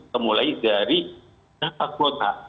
kemulai dari data kuota